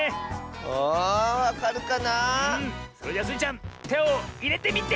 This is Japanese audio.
あわかるかなあ。それじゃスイちゃんてをいれてみて！